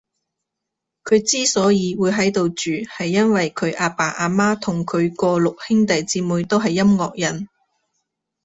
佢之所以會喺度住，係因為佢阿爸阿媽同佢個六兄弟姐妹都係音樂人